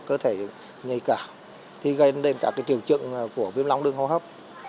cơ thể nhây cả thì gây đến cả tiểu trượng của viêm lóng đường hô hấp